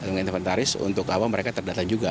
menginventaris untuk awal mereka terdata juga